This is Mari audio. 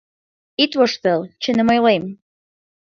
Ит воштыл, чыным ойлем...